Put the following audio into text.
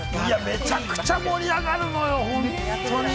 めちゃくちゃ盛り上がるのよ、本当に。